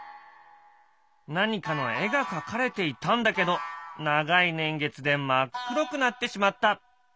何かの絵が描かれていたんだけど長い年月で真っ黒くなってしまった。